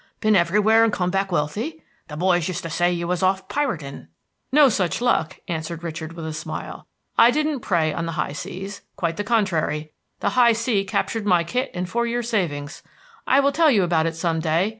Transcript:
Been everywhere and come back wealthy? The boys used to say you was off pirating." "No such luck," answered Richard, with a smile. "I didn't prey on the high seas, quite the contrary. The high sea captured my kit and four years' savings. I will tell you about it some day.